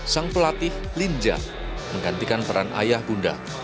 sang pelatih linja menggantikan peran ayah bunda